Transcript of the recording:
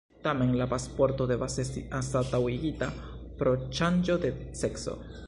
Tamen la pasporto devas esti anstataŭigita pro ŝanĝo de sekso.